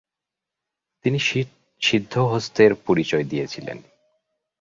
তিনি সিদ্ধহস্তের পরিচয় দিয়েছিলেন।